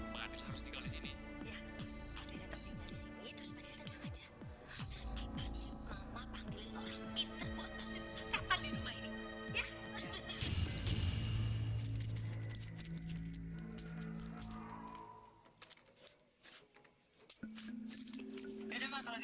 sudah beberapa hari ini aku salah terhajut